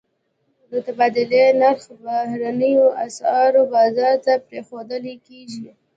د تبادلې نرخ بهرنیو اسعارو بازار ته پرېښودل کېږي.